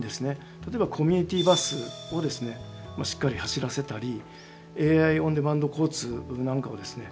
例えばコミュニティーバスをですねしっかり走らせたりＡＩオンデマンド交通なんかをですね